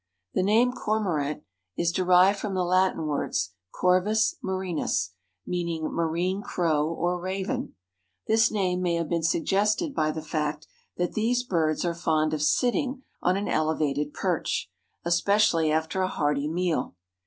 The name Cormorant is derived from the Latin words Corvus Marinus, meaning marine crow or raven. This name may have been suggested by the fact that these birds are fond of sitting on an elevated perch, especially after a hearty meal.